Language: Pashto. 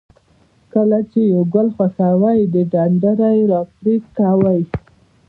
کله چې یو ګل خوښوئ د ډنډره یې را پرې کوئ.